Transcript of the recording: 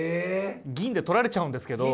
銀で取られちゃうんですけど。